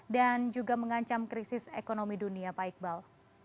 dan juga mengancam krisis ekonomi dunia pak iqbal